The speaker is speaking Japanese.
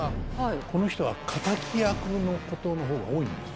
この人は敵役のことの方が多いんです。